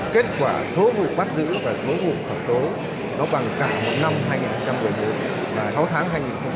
kết quả số vụ bắt giữ và số vụ phẩm tố bằng cả một năm hai nghìn một mươi năm sáu tháng hai nghìn một mươi năm